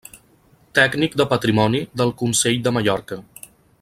Tècnic de patrimoni del Consell de Mallorca.